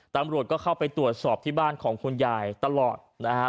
ตำรวจก็เข้าไปตรวจสอบที่บ้านของคุณยายตลอดนะครับ